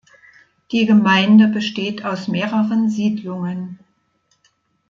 Die Gemeinde besteht aus mehreren Siedlungen.